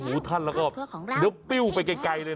ความลับของแมวความลับของแมว